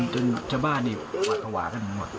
จนไปบ้านเขาหวะกระหว่ากันหมด